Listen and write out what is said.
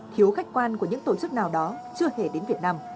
thiếu khách quan của những tổ chức nào đó chưa hề đến việt nam